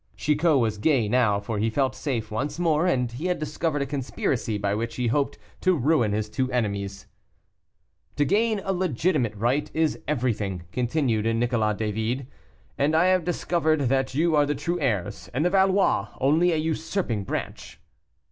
Chicot was gay now, for he felt safe once more, and he had discovered a conspiracy by which he hoped to ruin his two enemies. "To gain a legitimate right is everything," continued Nicolas David, "and I have discovered that you are the true heirs, and the Valois only a usurping branch."